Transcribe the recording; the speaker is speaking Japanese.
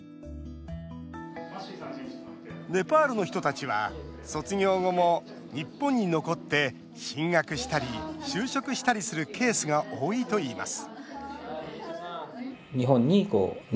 ネパールの人たちは卒業後も日本に残って進学したり就職したりするケースが多いといいます